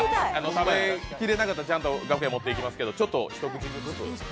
食べきれなかったらちゃんと楽屋に持っていきますけど、どうぞ。